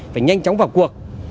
phải nhanh chóng vào cuộc